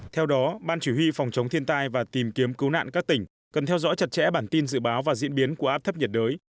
theo đó ban chỉ huy phòng chống thiên tai và tìm kiếm cứu nạn các tỉnh cần theo dõi chặt chẽ bản tin dự báo và diễn biến của áp thấp nhiệt đới